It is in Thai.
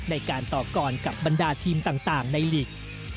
ในการต่อกรกับบรรดาทีมต่างในลีก